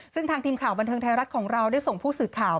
ซึ่งทางทีมข่าวบันเทิงไทยรัฐของเราได้ส่งผู้สื่อข่าว